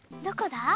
どこだ？